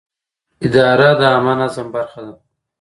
اداره د عامه نظم برخه ده.